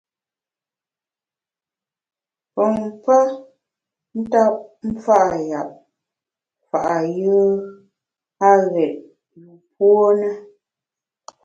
Pompa ntap mfa’ yap fa’ yùe a ghét yûpuo ne.